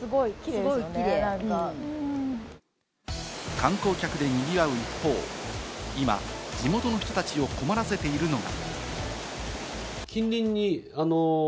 観光客で賑わう一方、今、地元の人たちを困らせているのが。